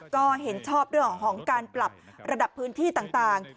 ก็เห็นชอบเรื่องของการปรับระดับพื้นที่ต่าง